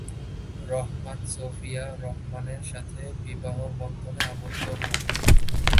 রহমান সোফিয়া রহমানের সাথে বিবাহবন্ধনে আবদ্ধ হন।